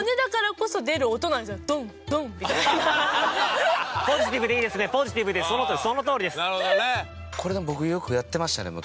これでも僕よくやってましたね昔。